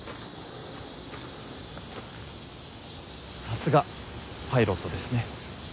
さすがパイロットですね。